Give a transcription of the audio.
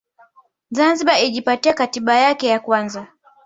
Zanzibar ilijipatia Katiba yake ya kwanza